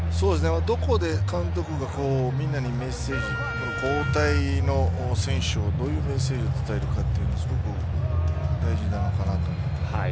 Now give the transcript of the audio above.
どこで監督がみんなにメッセージ交代の選手をどういうメッセージを伝えるかというのがすごく大事なのかなと。